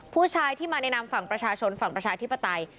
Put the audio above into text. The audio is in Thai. ผู้ชายที่มาในนามฝั่งประชาชนฝั่งประชาธิปไตย